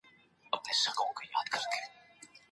د حنفي فقهې اصول تعقیب کړئ.